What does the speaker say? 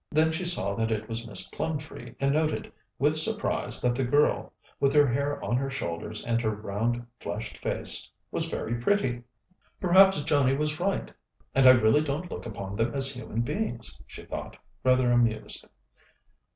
Then she saw that it was Miss Plumtree, and noted with surprise that the girl, with her hair on her shoulders and her round, flushed face, was very pretty. "Perhaps Johnnie was right, and I really don't look upon them as human beings," she thought, rather amused.